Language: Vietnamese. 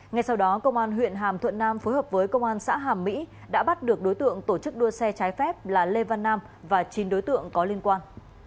ngay sau đó công an huyện hàm thuận nam phối hợp với công an xã hàm mỹ đã bắt được đối tượng tổ chức đua xe trái phép là lê văn nam và chín đối tượng có liên quan